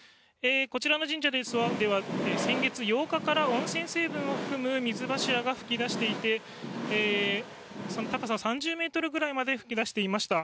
こちらの神社では先月８日から温泉成分を含む水柱が噴き出していてその高さは３０ｍぐらいまで噴き出していました。